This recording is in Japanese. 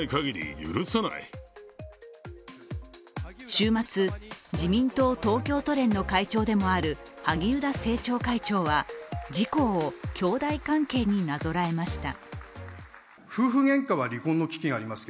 週末、自民党東京都連の会長でもある萩生田政調会長は自公を兄弟関係になぞらえました。